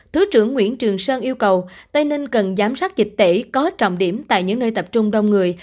thứ trưởng nguyễn trường sơn yêu cầu tây ninh cần giám sát dịch tễ có trọng điểm tại những nơi tập trung đông người